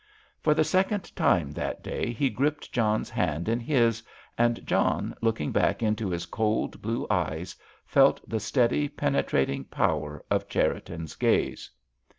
For the second time that day he gripped John's hand in his, and John, looking back into his cold blue eyes, felt the steady, penetrating power of Cherriton's gaze.